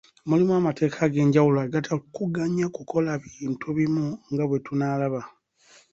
Mulimu amateeka ag'enjawulo agatakuganya kukola bintu bimu nga bwe tunaalaba.